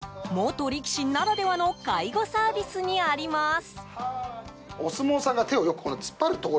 人気の秘密は元力士ならではの介護サービスにあります。